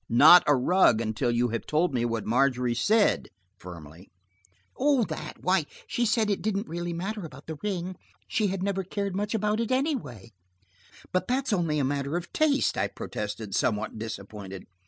"Not a rug until you have told me what Margery said," firmly. "Oh, that! Why, she said it didn't really matter about the ring. She had never cared much about it anyway." "But that's only a matter of taste," I protested, somewhat disappointed.